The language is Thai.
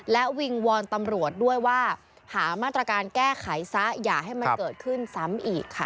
และวิงวอนตำรวจด้วยว่าหามาตรการแก้ไขซะอย่าให้มันเกิดขึ้นซ้ำอีกค่ะ